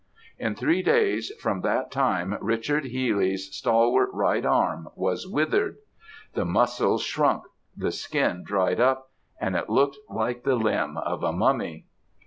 In three days from that time, Richard Healy's stalwart right arm was withered! The muscles shrunk; the skin dried up; and it looked like the limb of a mummy!